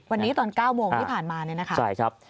วันนี้ตอน๙โมงที่ผ่านมาเนี่ยนะคะใช่ครับ